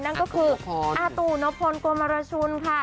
นั่นก็คืออาตู่นพลกลมรชุนค่ะ